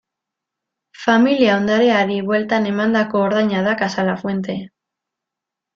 Familia ondareari bueltan emandako ordaina da Casa Lafuente.